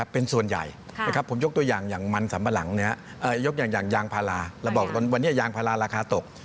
เป็นส่วนใหญ่ผมยกตัวยางอย่างยางพาราเราบอกวันนี้ยางพาราราคาตก